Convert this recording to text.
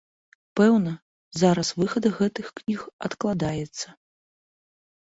Пэўна, зараз выхад гэтых кніг адкладаецца.